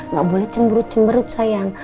gak boleh cemberut cemberut sayang